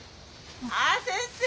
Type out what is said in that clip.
ああ先生！